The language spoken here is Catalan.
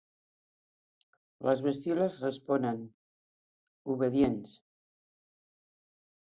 Les bestioles responen, obedients.